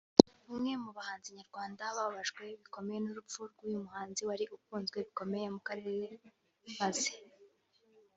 Bamwe mu bahanzi nyarwanda bababajwe bikomeye n’urupfu rw’uyu muhanzi wari ukunzwe bikomeye mu karere maze